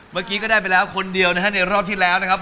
เมื่อกี้ก็ได้ไปแล้วคนเดียวนะฮะในรอบที่แล้วนะครับ